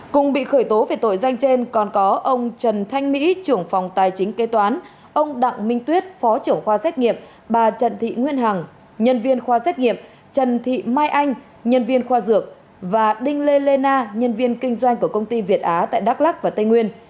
cùng bị khởi tố về tội danh trên còn có ông trần thanh mỹ trưởng phòng tài chính kế toán ông đặng minh tuyết phó trưởng khoa xét nghiệm bà trần thị nguyên hằng nhân viên khoa xét nghiệm trần thị mai anh nhân viên khoa dược và đinh lê lê na nhân viên kinh doanh của công ty việt á tại đắk lắc và tây nguyên